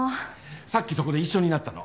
さっきそこで一緒になったの。